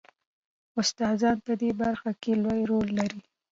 استادان په دې برخه کې لوی رول لري.